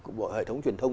rồi hệ thống truyền thông